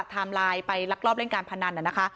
ไลน์ไปลักลอบเล่นการพนันนะคะ